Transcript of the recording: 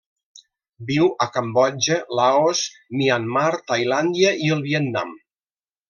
Viu a Cambodja, Laos, Myanmar, Tailàndia i el Vietnam.